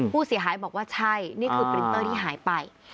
ผู้เสียหายบอกว่าใช่นี่คือปรินเตอร์ที่หายไป